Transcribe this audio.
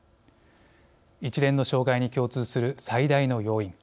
一連の障害に共通する最大の要因